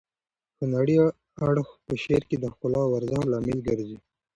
هنري اړخ په شعر کې د ښکلا او ارزښت لامل ګرځي.